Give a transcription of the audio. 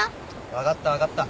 分かった分かった。